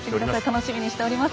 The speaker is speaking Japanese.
楽しみにしております。